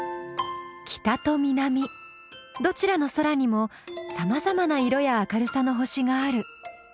どちらの空にもさまざまな色や明るさの星がある。